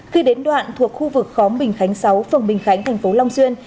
khi đến đoạn thuộc khu vực khóm bình khánh sáu phường bình khánh thành phố long xuyên